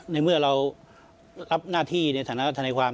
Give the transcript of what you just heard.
ในเมื่อเรารับหน้าที่ในฐานะทนายความ